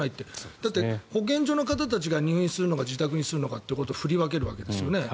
だって保健所の方たちが入院にするのか自宅にするのかって振り分けるわけですよね。